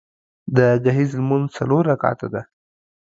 د ګهیځ لمونځ څلور رکعته ده